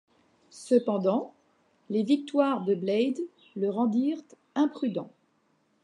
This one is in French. Cependant, les victoires de Blade le rendirent imprudent.